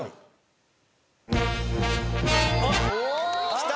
きた。